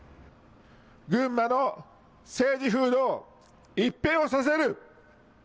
群馬の政治風土を一変をさせる。